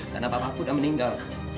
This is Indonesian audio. karena papa aku udah meninggal